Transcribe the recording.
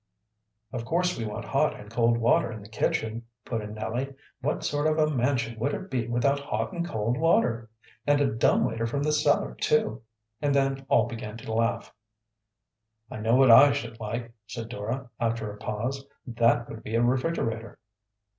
"Of course we want hot and cold water in the kitchen," put in Nellie. "What sort of a mansion would it be without hot and cold water, and a dumb waiter from the cellar, too," and then all began to laugh. "I know what I should like," said Dora, after a pause. "That would be a refrigerator."